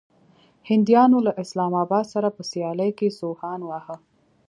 هنديانو له اسلام اباد سره په سيالۍ کې سوهان واهه.